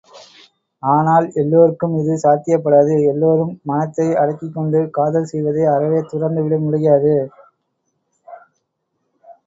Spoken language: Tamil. ஆனால் எல்லோர்க்கும் இது சாத்தியப் படாது, எல்லோரும் மனத்தை அடக்கிக்கொண்டு காதல் செய்வதை அறவே துறந்துவிட முடியாது.